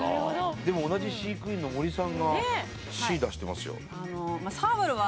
でも同じ飼育員の森さんがＣ出してますよ